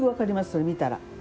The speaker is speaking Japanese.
それ見たら。